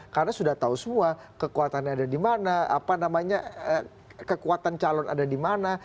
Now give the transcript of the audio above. karena sudah tahu semua kekuatannya ada di mana kekuatan calon ada di mana